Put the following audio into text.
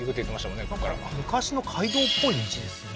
昔の街道っぽい道ですね